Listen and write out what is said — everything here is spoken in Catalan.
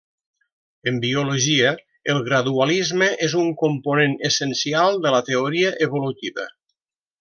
En biologia, el gradualisme és un component essencial de la teoria evolutiva.